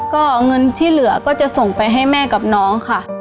ก็เงินที่เหลือก็จะส่งไปให้แม่กับน้องค่ะ